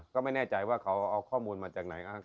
ก็ไม่แน่ใจว่าเขาเอาข้อมูลมาจากไหน